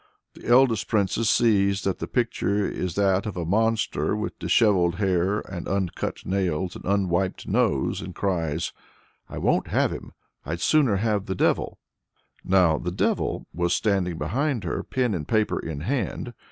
The eldest princess sees that "the picture is that of a monster, with dishevelled hair, and uncut nails, and unwiped nose," and cries: "I won't have him! I'd sooner have the devil!" Now the devil "was standing behind her, pen and paper in hand.